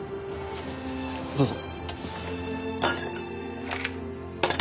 どうぞ。